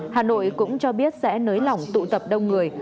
hà nội cũng cho biết sẽ nới lỏng tụ tập đông người